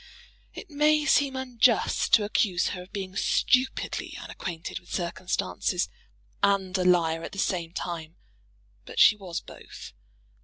It may seem unjust to accuse her of being stupidly unacquainted with circumstances, and a liar at the same time; but she was both.